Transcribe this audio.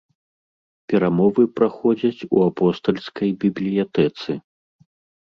Перамовы праходзяць у апостальскай бібліятэцы.